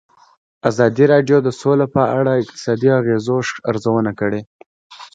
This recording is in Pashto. ازادي راډیو د سوله په اړه د اقتصادي اغېزو ارزونه کړې.